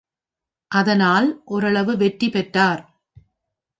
அதனால் ஒரளவு வெற்றி பெற்றார்.